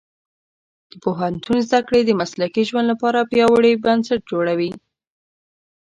د پوهنتون زده کړې د مسلکي ژوند لپاره پیاوړي بنسټ جوړوي.